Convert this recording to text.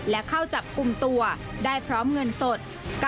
และเข้าจับกลุ่มตัวได้พร้อมเงินสด